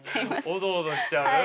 おどおどしちゃう。